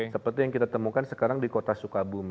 seperti yang kita temukan sekarang di kota sukabumi